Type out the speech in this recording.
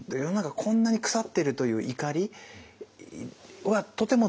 こんなに腐ってるという怒りはとても大事。